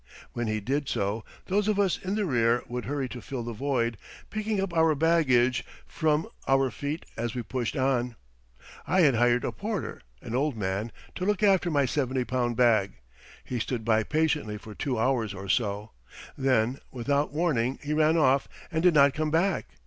When he did so, those of us in the rear would hurry to fill the void, picking up our baggage from our feet as we pushed on. I had hired a porter, an old man, to look after my 70 pound bag. He stood by patiently for two hours or so. Then, without warning, he ran off and did not come back.